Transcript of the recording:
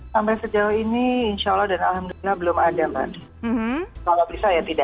sampai sejauh ini insya allah dan alhamdulillah belum ada mbak